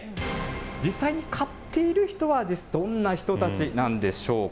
実際に買っている人はどんな人たちなんでしょうか。